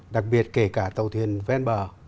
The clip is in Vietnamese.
đặc biệt kể cả tàu thuyền ven bờ